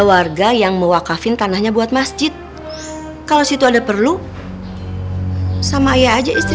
warga yang mewakafin tanahnya buat masjid kalau situ ada perlu sama ayah aja istri